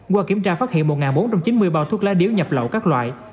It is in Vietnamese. qua kiểm tra phát hiện một bốn trăm chín mươi bao thuốc lá điếu nhập lậu các loại